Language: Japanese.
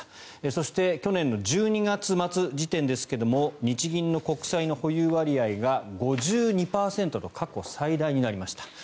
そして去年の１２月末時点ですが日銀の国債の保有割合が５２％と過去最大になりました。